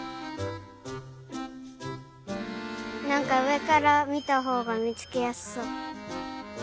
なんかうえからみたほうがみつけやすそう。